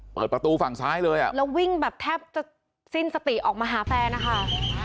เปิดประตูฝั่งซ้ายเลยอ่ะแล้ววิ่งแบบแทบจะสิ้นสติออกมาหาแฟนนะคะ